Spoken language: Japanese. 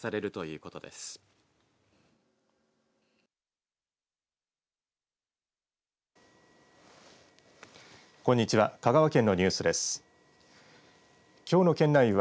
こんにちは。